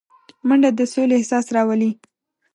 منډه د سولې احساس راولي